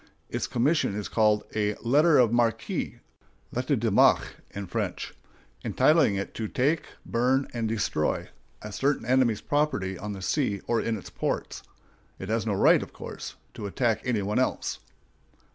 Its commission is called a "letter of marque" (lettre de marque in French), entitling it to "take, burn, and destroy" a certain enemy's property on the sea or in its ports. It has no right, of course, to attack any one else.